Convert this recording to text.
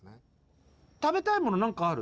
食べたいもの何かある？